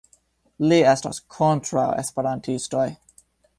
Li estas kontraŭ esperantistoj